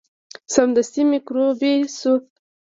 سمدستي میکروبي شو.